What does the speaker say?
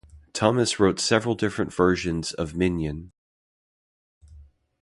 Thomas wrote several different versions of "Mignon".